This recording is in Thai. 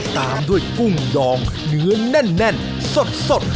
ตามด้วยกุ้งดองเนื้อแน่นสด